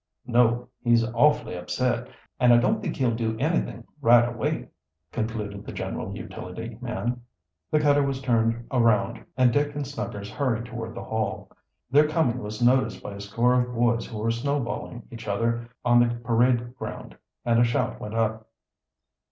"No. He's awfully upset, and I don't think he'll do anything right away," concluded the general utility man. The cutter was turned around, and Dick and Snuggers hurried toward the Hall. Their coming was noticed by a score of boys who were snowballing each other oh the parade ground, and a shout went up.